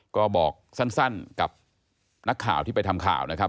ก็บอกสั้นกับนักข่าวที่ไปทำข่าวนะครับ